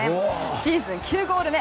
シーズン９ゴール目。